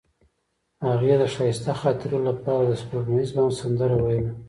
هغې د ښایسته خاطرو لپاره د سپوږمیز بام سندره ویله.